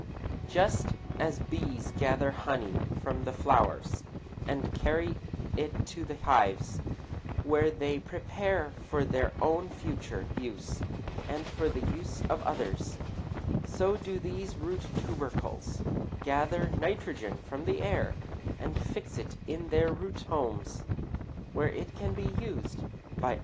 Just as bees gather honey from the flowers and carry it to the hives, where they prepare it for their own future use and for the use of others, so do these root tubercles gather nitrogen from the air and fix it in their root homes, where it can be used by other crops.